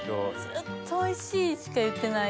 ずっと「おいしい」しか言ってない。